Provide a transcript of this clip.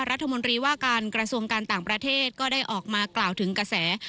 รัฐมนตรีว่าการกระทรวงการต่างประเทศก็ได้ออกมากล่าวถึงกระแส